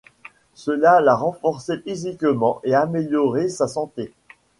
Cela l'a renforcée physiquement et amélioré sa santé.